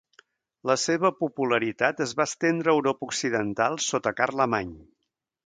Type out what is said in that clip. La seva popularitat es va estendre a Europa occidental sota Carlemany.